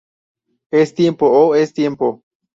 ¡ Es tiempo! ¡ oh! ¡ es tiempo!